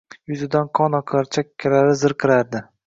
Yuzidan qon oqar, chakkalari zirqirardi